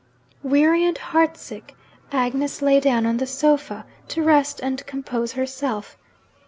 Weary and heartsick, Agnes lay down on the sofa, to rest and compose herself.